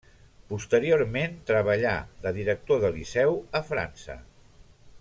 Posteriorment, treballà de director de liceu a França.